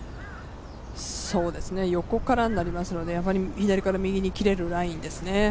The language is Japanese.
横からになりますので、左から右に切れるラインですね。